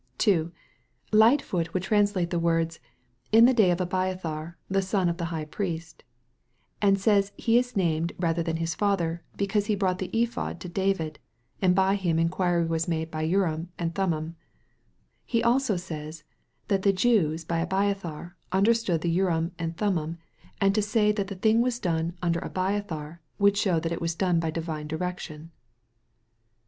viii. 16, and xxiv. 3.) 2. Lightfoot would translate the words, " In the days of Abiathar, the son of the High Priest," and says he is named rather than his father because he brought the Ephod to David, and by him inquiry was made by Urim and Thummim. He also says, that the Jews by "Abiathar" understood the Urim and Thummim, and to say that the thing was done " under Abiathar" would show that it was done by divine direction.